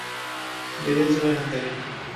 বেরিয়ে যাও এখান থেকে।